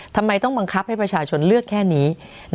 ทำไมต้องบังคับให้ประชาชนเลือกแค่นี้